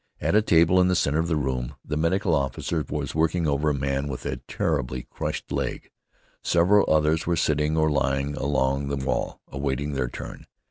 At a table in the center of the room the medical officer was working over a man with a terribly crushed leg. Several others were sitting or lying along the wall, awaiting their turn.